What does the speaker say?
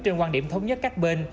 trên quan điểm thống nhất các bên